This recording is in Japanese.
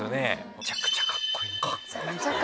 めちゃくちゃカッコいい！